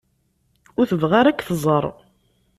Ur tebɣa ara ad k-tẓer.